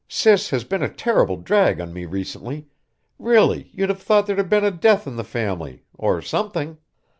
Sis has been a terrible drag on me recently really you'd have thought there had been a death in the family. Or something!